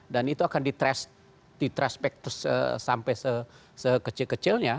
dan itu akan di transpect sampai sekecil kecilnya